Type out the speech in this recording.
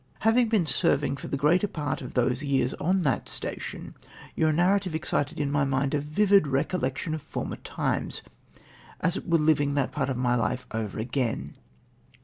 Having been serving for the greater part of those years on that station, your narrative excited in my mind a vivid recollection of former times — as it were living that part of my life over again.